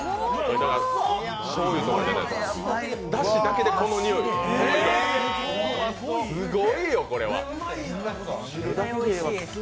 だしだけでこの匂い、色、すごいよこれは！